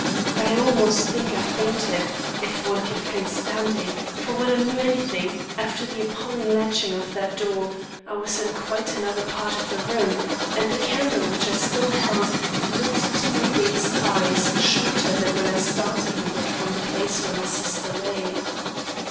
I almost think I fainted, if one can faint standing, for when I knew anything, after the appalling latching of that door, I was in quite another part of the room and the candle which I still held, looked to my dazed eyes shorter than when I started with it from the place where my sister lay.